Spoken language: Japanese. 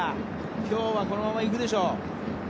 今日はこのまま行くでしょう。